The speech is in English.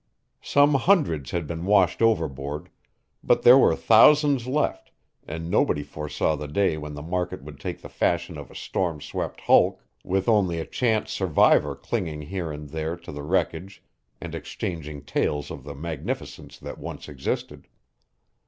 Some hundreds had been washed overboard, but there were thousands left, and nobody foresaw the day when the market would take the fashion of a storm swept hulk, with only a chance survivor clinging here and there to the wreckage and exchanging tales of the magnificence that once existed.